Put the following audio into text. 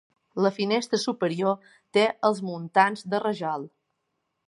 La finestra superior té els muntants de rajol.